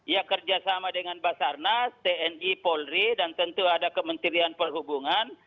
yang kerja sama dengan basarnas tni polri dan tentu ada kementerian perhubungan